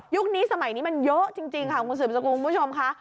นี้สมัยนี้มันเยอะจริงค่ะคุณสืบสกุลคุณผู้ชมค่ะ